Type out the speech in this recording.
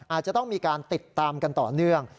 อาจจะต้องมีการติดตามกันต่อเนื่อง